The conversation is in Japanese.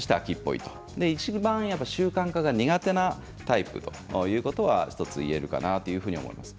いちばん習慣化が苦手なタイプということは１つ言えるかなというふうに思います。